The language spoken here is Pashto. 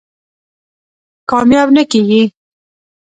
کامیاب نه کېږي.